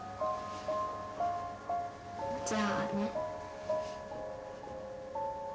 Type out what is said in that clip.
じゃあね。